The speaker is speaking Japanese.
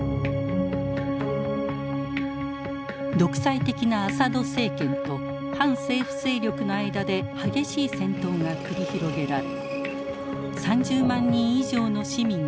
独裁的なアサド政権と反政府勢力の間で激しい戦闘が繰り広げられ３０万人以上の市民が死亡。